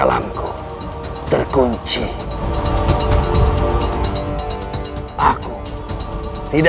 aku keras css